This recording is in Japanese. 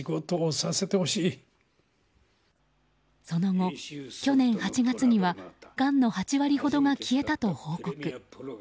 その後、去年８月にはがんの８割ほどが消えたと報告。